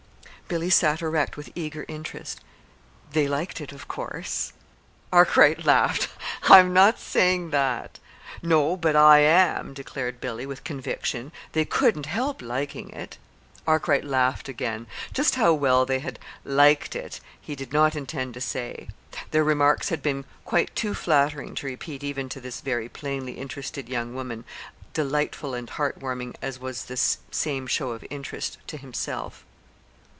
Billy sat erect with eager interest. "They liked it, of course?" Arkwright laughed. "I'm not saying that." "No, but I am," declared Billy, with conviction. "They couldn't help liking it." Arkwright laughed again. Just how well they had "liked it" he did not intend to say. Their remarks had been quite too flattering to repeat even to this very plainly interested young woman delightful and heart warming as was this same show of interest, to himself.